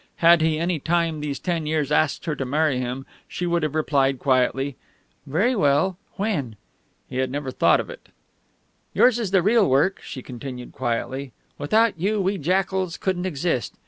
Had he, any time these ten years, asked her to marry him, she would have replied quietly, "Very well; when?" He had never thought of it.... "Yours is the real work," she continued quietly. "Without you we jackals couldn't exist.